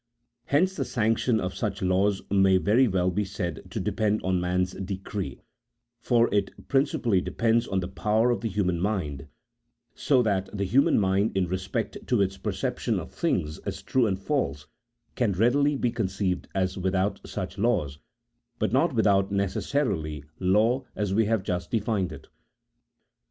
Hence the sanction of such laws may very well be said to depend on man's decree, for it principally depends on the power of the human mind ; so 58 A THEOLOGICO POLITICAL TREATISE. [CHAP. IV. that the human mind in respect to its perception of things as true and false, can readily be conceived as without such laws, but not without necessary law as we have just denned it.